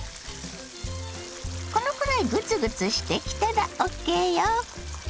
このくらいグツグツしてきたらＯＫよ。